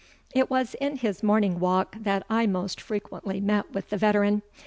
It was in his morning walk that I most frequently met with the veteran.